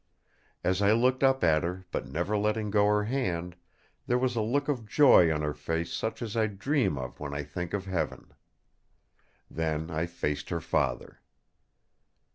As I looked up at her, but never letting go her hand, there was a look of joy on her face such as I dream of when I think of heaven. Then I faced her father.